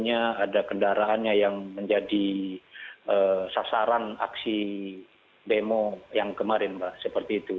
ada kendaraannya yang menjadi sasaran aksi demo yang kemarin mbak seperti itu